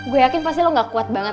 gue yakin pasti lo gak kuat banget